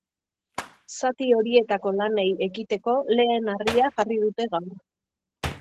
Zati horietako lanei ekiteko lehen harria jarri dute gaur.